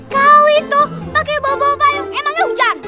kau itu pake bau bau payung emangnya hujan